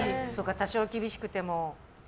多少、厳しくても。